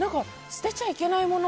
捨てちゃいけないもの